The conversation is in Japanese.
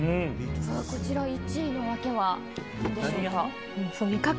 こちら１位の訳は何でしょうか。